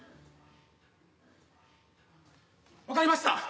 分かりました。